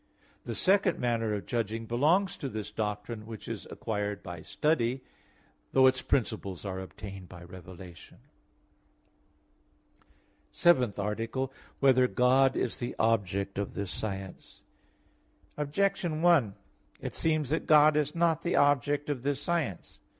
The second manner of judging belongs to this doctrine which is acquired by study, though its principles are obtained by revelation. _______________________ SEVENTH ARTICLE [I, Q. 1, Art. 7] Whether God Is the Object of This Science? Objection 1: It seems that God is not the object of this science.